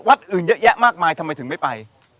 วัดอื่นเยอะแยะมากมายทำไมถึงไม่ไป